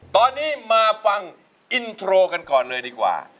ตอนนี้มาฟังอินโทรกันก่อนเลยดีกว่า